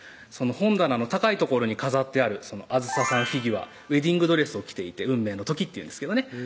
本棚の高い所に飾ってあるあずささんフィギュアウエディングドレスを着ていて「運命の瞬間」というんですけどね